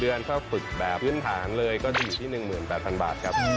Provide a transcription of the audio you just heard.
เดือนถ้าฝึกแบบพื้นฐานเลยก็จะอยู่ที่๑๘๐๐๐บาทครับ